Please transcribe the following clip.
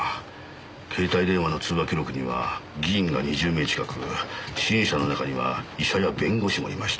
携帯電話の通話記録には議員が２０名近く支援者の中には医者や弁護士もいました。